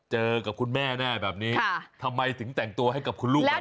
กับคุณแม่แน่แบบนี้ทำไมถึงแต่งตัวให้กับคุณลูกแบบนี้